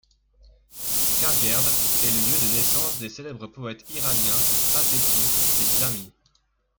Khargerd est le lieu de naissance des célèbres poètes iraniens Hatefi et Djami.